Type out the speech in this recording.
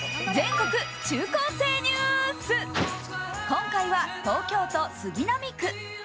今回は東京都杉並区。